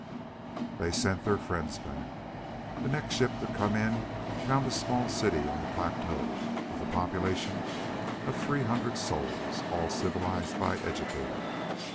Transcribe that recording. They sent their friends back. The next ship to come in found a small city on the plateau, with a population of three hundred souls, all civilized by educator.